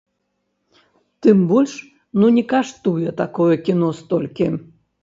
Тым больш, ну не каштуе такое кіно столькі.